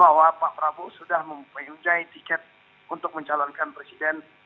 bahwa pak prabowo sudah memenjai tiket untuk mencalonkan presiden dua ribu sembilan belas